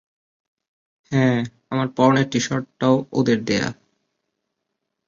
হ্যাঁ, আমার পরনের টি-শার্টটাও ওদের দেয়া।